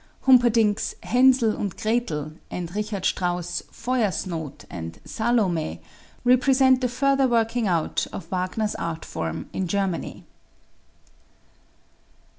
Humperdinck's "Hänsel und Gretel" and Richard Strauss's "Feuersnot" and "Salome" represent the further working out of Wagner's art form in Germany.